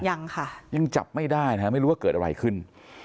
ยังค่ะยังจับไม่ได้นะฮะไม่รู้ว่าเกิดอะไรขึ้น